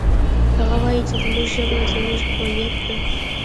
هغه وایي چې زموږ ژبه زموږ هویت ده